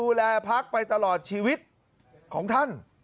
สมัยไม่เรียกหวังผม